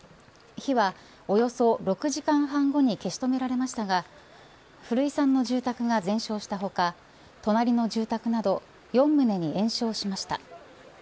火はおよそ６時間半後に消し止められましたが古居さんの住宅が全焼した他隣の住宅など４棟に延焼しました。